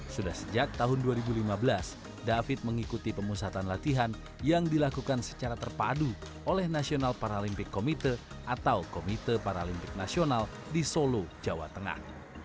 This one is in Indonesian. sudah sejak tahun dua ribu lima belas david mengikuti pemusatan latihan yang dilakukan secara terpadu oleh national paralympic committee atau komite paralimpik nasional di solo jawa tengah